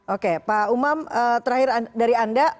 oke pak umam terakhir dari anda